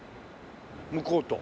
向こうと。